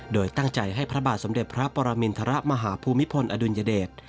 โดยตั้งใจให้พระบาทสมเด็จพระปรมินทรมาหาภูมิพลอดุลยเดช